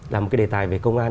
là một cái đề tài về công an